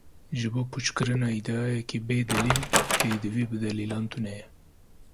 Ji bo pûçkirina îdiayeke bêdelîl, pêdivî bi delîlan tune ye.